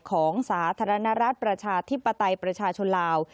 สาธารณรัฐประชาธิปไตยประชาชนลาว